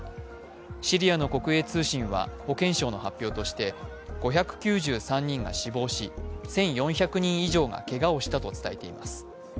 シリアの国営通信は、保健省の発表として、５９３人が死亡し、１４００人以上がけがをしたと伝えています。